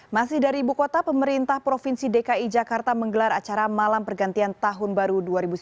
masih dari ibu kota pemerintah provinsi dki jakarta menggelar acara malam pergantian tahun baru dua ribu sembilan belas